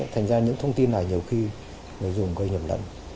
thành ra những thông tin này nhiều khi người dùng gây nhầm lẫn